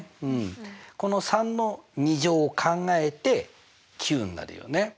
この３の２乗を考えて９になるよね。